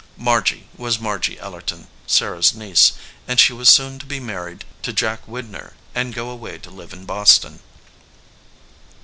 Margy was Margy Ellerton, Sarah s niece, and she was scon to be married to Jack Widner and go away to live in Boston.